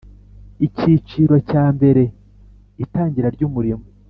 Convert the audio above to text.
Icyiciro cya mbere Itangira ry umurimo